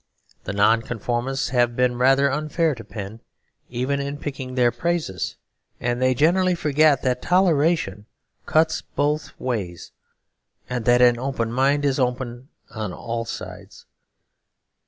The Nonconformists have been rather unfair to Penn even in picking their praises; and they generally forget that toleration cuts both ways and that an open mind is open on all sides.